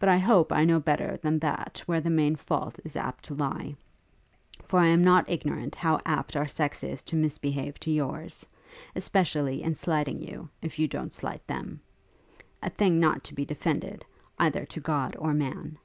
But I hope I know better than that where the main fault is apt to lie; for I am not ignorant how apt our sex is to misbehave to yours; especially in slighting you, if you don't slight them; a thing not to be defended, either to God or man.